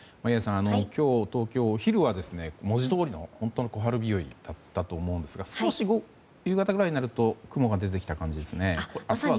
今日、東京でお昼は文字どおりの小春日和だったと思うんですが少し夕方ぐらいになると雲が出てた感じですね。